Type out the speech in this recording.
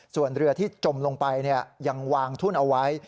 ส่วนเรือที่จมลงไปยังวางทุ่นเอาไว้